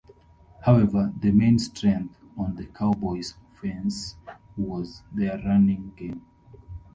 However, the main strength on the Cowboys offense was their running game.